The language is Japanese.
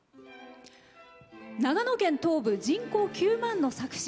長野県東部、人口９万の佐久市。